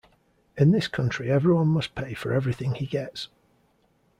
In this country everyone must pay for everything he gets.